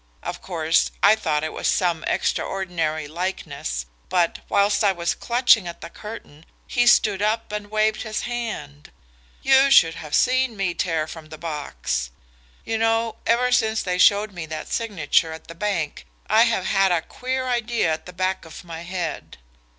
Of course, I thought it was some extraordinary likeness, but, whilst I was clutching at the curtain, he stood up and waved his hand. You should have seen me tear from the box! You know, ever since they showed me that signature at the bank I have had a queer idea at the back of my head.